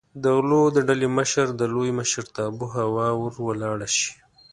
د غلو د ډلې مشر د لوی مشرتابه هوا ور ولاړه شي.